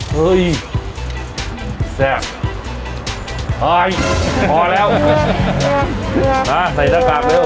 เฮ้ยแซ่บพอแล้วมาใส่ด้านกลางเร็ว